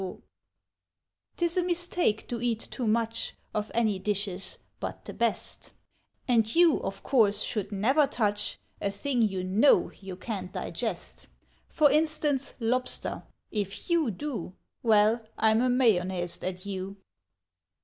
_") 'Tis a mistake to eat too much Of any dishes but the best; And you, of course, should never touch A thing you know you can't digest; For instance, lobster; if you do, Well, I'm amayonnaised at you!